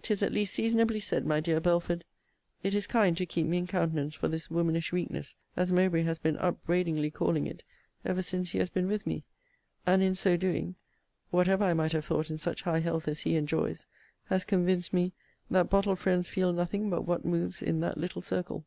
'Tis at least seasonably said, my dear Belford. It is kind to keep me in countenance for this womanish weakness, as Mowbray has been upbraidingly calling it, ever since he has been with me: and in so doing, (whatever I might have thought in such high health as he enjoys,) has convinced me, that bottle friends feel nothing but what moves in that little circle.